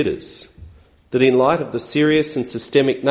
dengan penyelidikan serius dan sistemik